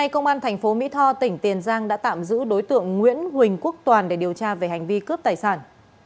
công an thành phố mỹ tho tỉnh tiền giang đã tạm giữ đối tượng nguyễn huỳnh quốc toàn để điều tra về hành vi cướp tài sản